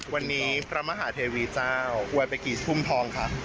วันนี้พระมหาเทวีเจ้าอวยไปกี่ทุ่มทองค่ะ